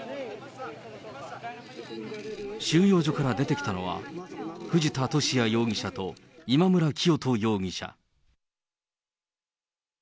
収容所から出てきたのは、藤田聖也容疑者と今村磨人容疑者。